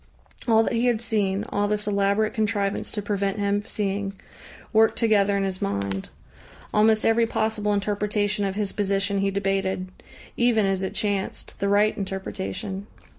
All that he had seen, all this elaborate contrivance to prevent him seeing, worked together in his mind. Almost every possible interpretation of his position he debated even as it chanced, the right interpretation.